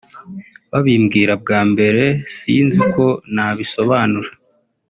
Babimbwira bwa mbere sinzi uko nabisobanura